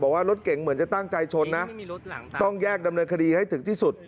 ว่ารถเก่งเหมือนจะตั้งใจชนนะต้องแยกดำเนินคดีให้ถึงที่สุด